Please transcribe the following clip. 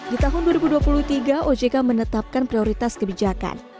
di tahun dua ribu dua puluh tiga ojk menetapkan prioritas kebijakan